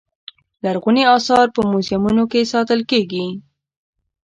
لرغوني اثار په موزیمونو کې ساتل کېږي.